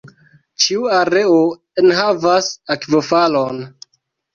Ĉiu areo enhavas akvofalon.